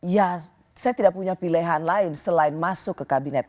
ya saya tidak punya pilihan lain selain masuk ke kabinet